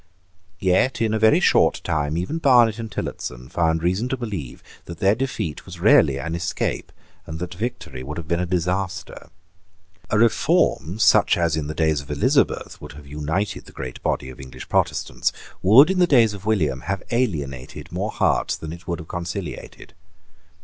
Yet in a very short time even Barnet and Tillotson found reason to believe that their defeat was really an escape, and that victory would have been a disaster. A reform, such as, in the days of Elizabeth, would have united the great body of English Protestants, would, in the days of William, have alienated more hearts than it would have conciliated.